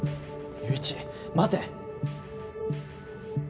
友一待て！